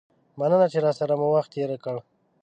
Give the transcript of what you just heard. مننه چې راسره مو وخت تیر کړ.